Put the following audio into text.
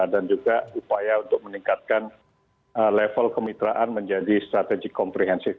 dan juga upaya untuk meningkatkan level kemitraan menjadi strategi komprehensif